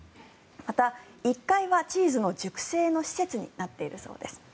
また、１階はチーズの熟成の施設になっているそうです。